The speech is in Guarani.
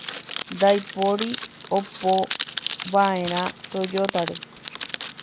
Ndaipóri opova'erã Toyóta-re.